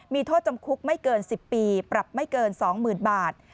มีโทษจำคุกไม่เกิน๑๐ปีปรับไม่เกิน๒๐๐๐บาท